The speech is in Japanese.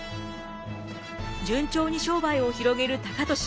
順調に商売を広げる高利。